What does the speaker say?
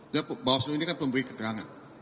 jadi bawaslu ini kan memberi keterangan